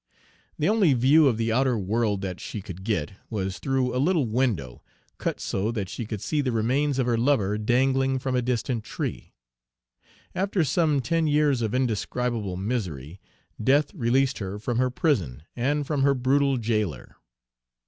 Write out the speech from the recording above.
The only view of the outer world that she could get, was through a little window, cut so that she could see the remains of her lover dangling from a distant tree. After some ten years of indescribable misery, death released her from her prison and from her brutal jailer.